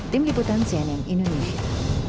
tim liputan sianing indonesia